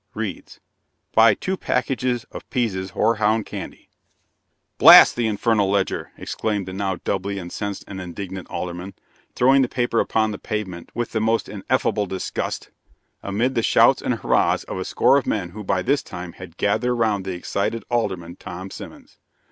Reads: "'Buy two packages of Pease's hoarhound candy.'" "Blast the infernal Ledger!" exclaimed the now doubly incensed and indignant Alderman, throwing the paper upon the pavement with the most ineffable disgust, amid the shouts and hurrahs of a score of men who by this time had gathered around the excited Alderman Tom Simmons.